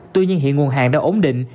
tuy nhiên hiện nguồn hàng đã ổn định